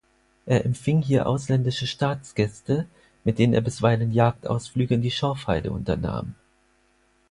Er empfing hier ausländische Staatsgäste, mit denen er bisweilen Jagdausflüge in die Schorfheide unternahm.